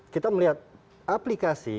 kita melihat aplikasi